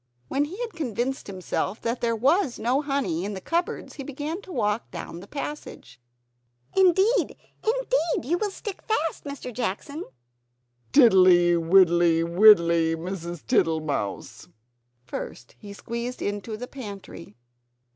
When he had convinced himself that there was no honey in the cupboards, he began to walk down the passage. "Indeed, indeed, you will stick fast, Mr. Jackson!" "Tiddly, widdly, widdly, Mrs. Tittlemouse!" First he squeezed into the pantry.